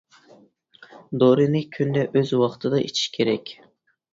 دورىنى كۈندە ئۆز ۋاقتىدا ئىچىش كېرەك.